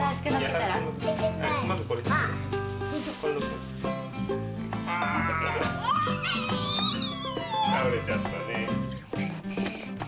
たおれちゃったね。